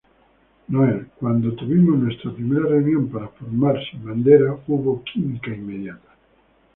Noel: "Cuando tuvimos nuestra primera reunión para formar Sin Bandera, hubo química inmediata.